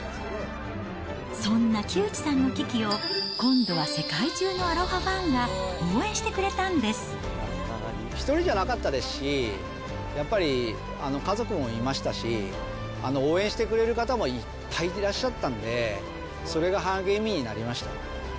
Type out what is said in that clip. そんな木内さんの危機を今度は世界中のアロハファンが応援してく１人じゃなかったですし、やっぱり家族もいましたし、応援してくれる方もいっぱいいらっしゃったんで、それが励みにな